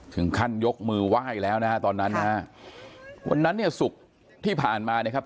ถึงขั้นยกมือไหว้แล้วนะฮะตอนนั้นนะฮะวันนั้นเนี่ยศุกร์ที่ผ่านมานะครับ